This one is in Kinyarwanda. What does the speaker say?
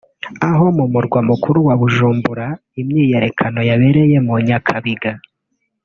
Aho mu murwa mukuru wa Bujumbura imyiyerekano yabereye mu Nyakabiga